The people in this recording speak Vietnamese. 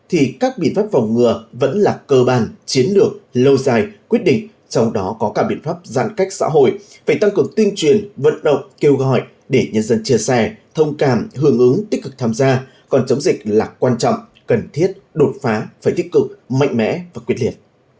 hãy đăng ký kênh để ủng hộ kênh của chúng mình nhé